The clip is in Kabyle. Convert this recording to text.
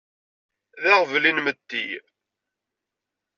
D aɣbel inmetti.